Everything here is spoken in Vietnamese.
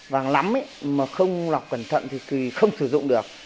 vàng lắm ý mà không lọc cẩn thận thì không sử dụng được